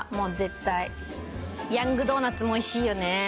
ヤングドーナツもおいしいよね。